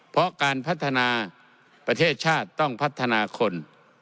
เพราะการพัฒนาประเทศชาติต้องพัฒนาคน